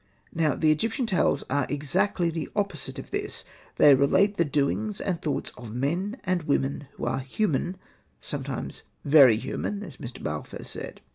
Now the Egyptian ' Tales are exactly the opposite of this, they relate the doings and the thoughts of men and women who are human — sometimes '^ very human/' as Mr. Balfour said.